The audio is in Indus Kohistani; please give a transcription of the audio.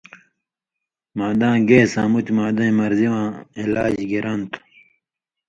معداں گیس آں مُتیۡ معدَیں مرضی واں علاج گِران تُھو